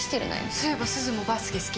そういえばすずもバスケ好きだよね？